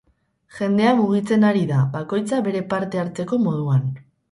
Jendea mugitzen ari da, bakoitza bere parte hartzeko moduan.